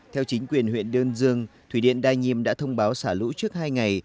theo chính quyền huyện đơn dương thủy điện đa nhiêm đã thông báo xả lũ trước hai ngày